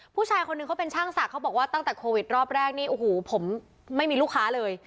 ผู้ชายคนหนึ่งเขาเป็นช่างศักดิ์เขาบอกว่าตั้งแต่โควิดรอบแรกนี่โอ้โหผมไม่มีลูกค้าเลย